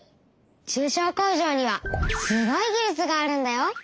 中小工場にはすごい技術があるんだよ。